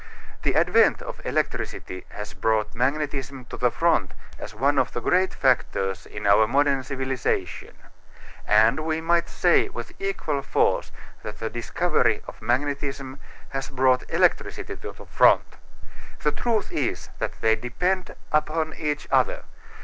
The advent of electricity has brought magnetism to the front as one of the great factors in our modern civilization. And we might say with equal force that the discovery of magnetism has brought electricity to the front. The truth is that they depend upon each other.